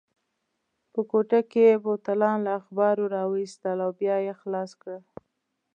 په کوټه کې یې بوتلان له اخبارو راوایستل او بیا یې خلاص کړل.